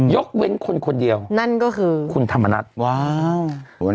ยกเว้นคนคนเดียวนั่นก็คือคุณธรรมนัฐว้าว